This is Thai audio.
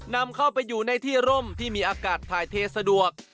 นำเข้าไปอยู่ในที่ร่มที่มีอากาศถ่ายเทสะดวก